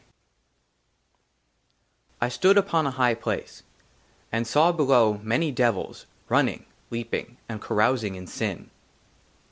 IX I STOOD UPON A HIGH PLACE, AND SAW, BELOW, MANY DEVILS RUNNING, LEAPING, AND CAROUSING IN SIN.